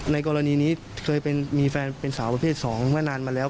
ในกรณีนี้เคยเป็นมีแฟนเป็นสาวประเภท๒เมื่อนานมาแล้ว